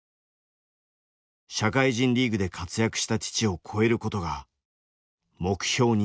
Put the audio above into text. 社会人リーグで活躍した父を超えることが目標になった。